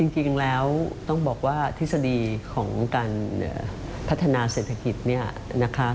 จริงแล้วต้องบอกว่าทฤษฎีของการพัฒนาเศรษฐกิจเนี่ยนะคะ